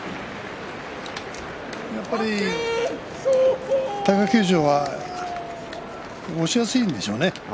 やはり貴景勝は押しやすいんでしょうね。